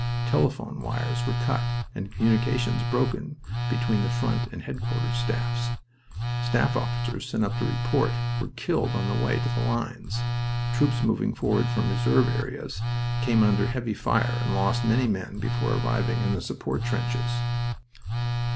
Telephone wires were cut, and communications broken between the front and headquarters staffs. Staff officers sent up to report were killed on the way to the lines. Troops moving forward from reserve areas came under heavy fire and lost many men before arriving in the support trenches.